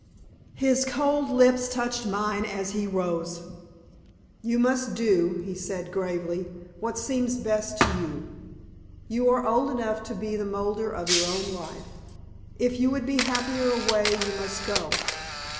His cold lips touched mine as he rose. "You must do," he said, gravely, "what seems best to you. You are old enough to be the moulder of your own life. If you would be happier away, you must go.